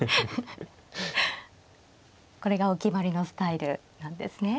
これがお決まりのスタイルなんですね。